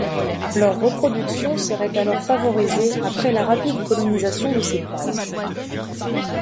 Leur reproduction serait alors favorisée après la rapide colonisation de ces plages.